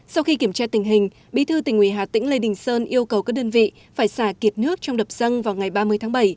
sau khi kiểm tra tình hình bí thư tỉnh ủy hà tĩnh lê đình sơn yêu cầu các đơn vị phải xả kiệt nước trong đập dân vào ngày ba mươi tháng bảy